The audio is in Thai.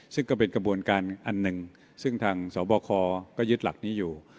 ซึ่งก็เป็นกระบวนการอันหนึ่งซึ่งทางสบคก็ยึดหลักนี้อยู่